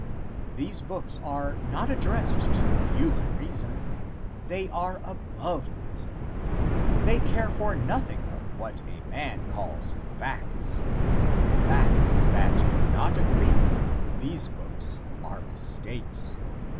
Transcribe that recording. These books are not addressed to human reason. They are above reason. They care nothing for what a man calls "facts." Facts that do not agree with these books are mistakes.